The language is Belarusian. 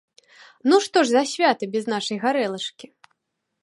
Ну што ж за свята без нашай гарэлачкі?